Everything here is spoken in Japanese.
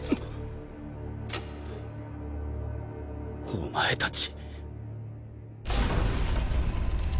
お前たち。